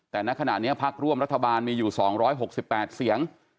แต่ณขณะนี้พักร่วมรัฐบาลมีอยู่๒๖๘เสียง